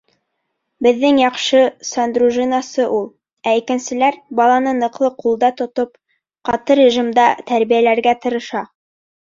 — Беҙҙең яҡшы сандружинасы ул. Ә икенселәр, баланы ныҡлы ҡулда тотоп, ҡаты режимда тәрбиәләргә тырыша.